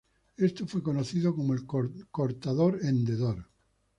Esto fue conocido como el cortador-hendedor.